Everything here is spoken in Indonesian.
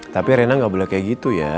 tapi rena nggak boleh kayak gitu ya